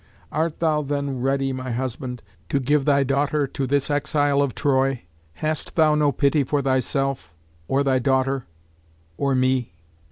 "Art thou then ready, my husband, to give thy daughter to this exile of Troy? Hast thou no pity for thyself, or thy daughter, or me?